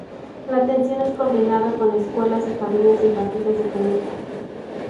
La atención es coordinada con escuelas y jardines infantiles de Temuco.